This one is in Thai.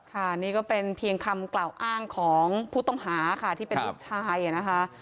นี่ก็เป็นเพียงคำกล่าวอ้างของผู้ต้องหาค่ะที่เป็นลูกชายนะคะ